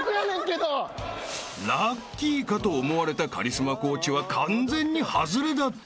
［ラッキーかと思われたカリスマコーチは完全に外れだった］